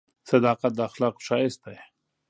• صداقت د اخلاقو ښایست دی.